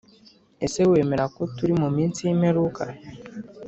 Ese wemera ko turi mu minsi y’ imperuka